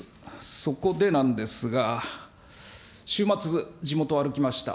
そこでなんですが、週末、地元を歩きました。